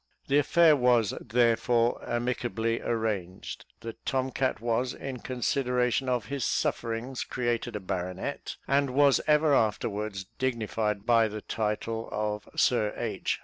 The affair was, therefore, amicably arranged the tom cat was, in consideration of his sufferings, created a baronet, and was ever afterwards dignified by the title of _Sir H.